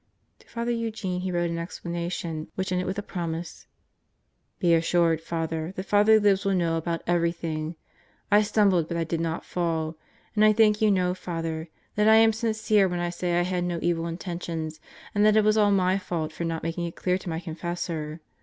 To Father Eugene he wrote an explanation which ended with a promise: Be assured, Father, that Father Libs will know about everything. I stumbled but I did not fall, and I think you know. Father, that I am sincere when I say I had no evil intentions and that it was all my fault for not making it clear to my Confessor.